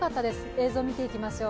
映像を見ていきましょう。